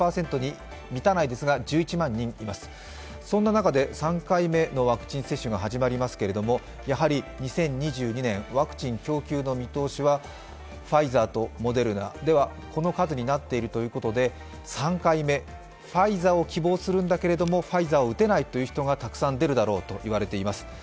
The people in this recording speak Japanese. そんな中で３回目のワクチン接種が始まりますけれどもやはり２０２２年、ワクチン供給の見通しはファイザーとモデルナではこの数になっているということで３回目、ファイザーを希望するんだけどファイザーを打てないという人がたくさん出るだろうと言われています。